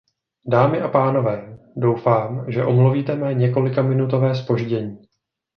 Dámy a pánové, doufám, že omluvíte mé několikaminutové zpoždění.